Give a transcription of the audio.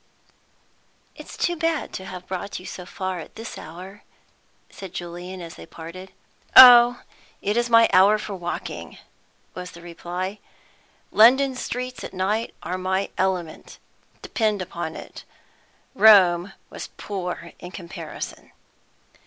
"It's too bad to have brought you so far at this hour," said Julian, as they parted. "Oh, it is my hour for walking," was the reply. "London streets at night are my element. Depend upon it, Rome was poor in comparison!"